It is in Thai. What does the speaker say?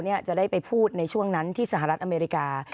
ขอบคุณครับ